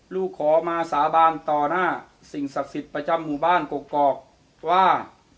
ลูกขอมาสาบานต่อหน้าสิ่งศักดิ์สิทธิ์ประจำหมู่บ้านกกอกว่า